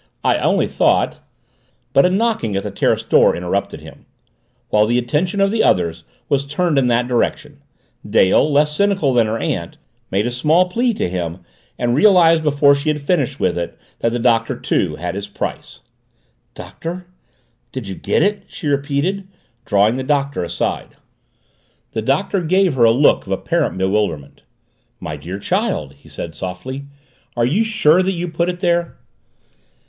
"I only thought " But a knocking at the terrace door interrupted him. While the attention of the others was turned in that direction Dale, less cynical than her aunt, made a small plea to him and realized before she had finished with it that the Doctor too had his price. "Doctor did you get it?" she repeated, drawing the Doctor aside. The Doctor gave her a look of apparent bewilderment. "My dear child," he said softly, "are you sure that you put it there?"